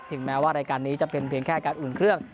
แม้ว่ารายการนี้จะเป็นเพียงแค่การอุ่นเครื่อง